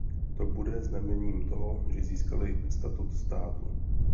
To bude znamením toho, že získali statut státu.